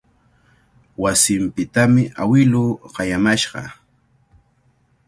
Wasinpitami awiluu qayamashqa.